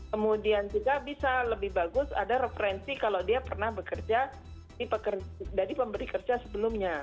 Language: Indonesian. kemudian juga bisa lebih bagus ada referensi kalau dia pernah bekerja dari pemberi kerja sebelumnya